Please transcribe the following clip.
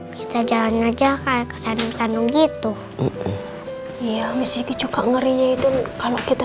kita jalan aja kayak kesenung senung gitu iya misi juga ngerinya itu kalau kita